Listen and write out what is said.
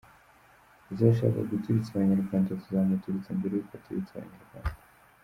Uzashaka guturitsa abanyarwanda tuzamuturitsa mbere y’ uko aturitsa abanyarwanda”